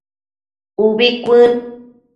Ubi cuën